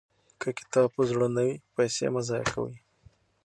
که کتاب په زړه نه وي، پیسې مه ضایع کوئ.